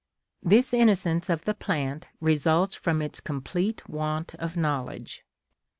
This innocence of the plant results from its complete want of knowledge.